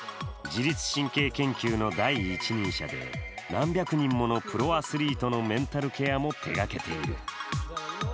自律神経研究の第一人者で何百人ものプロアスリートのメンタルケアも手がけている。